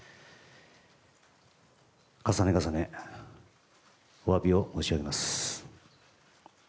重ね重ねお詫びを申し上げます。